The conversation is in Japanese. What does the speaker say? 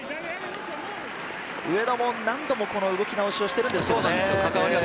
上田も何度も動き直しをしてるんですけどね。